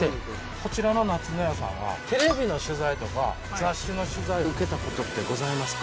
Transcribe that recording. こちらの「夏の家」さんはテレビの取材とか雑誌の取材受けた事ってございますか？